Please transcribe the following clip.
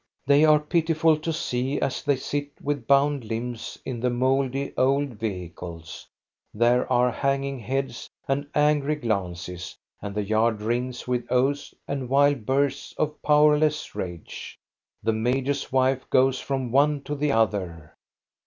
They are pitiful to see, as they sit with bound limbs in the mouldy old vehicles. There are hanging heads and angry glances, and the yard rings with oaths and wild bursts of powerless rage. The major's wife goes from one to the other.